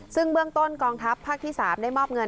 ซึ่งเบื้องต้นกองทัพภาคที่๓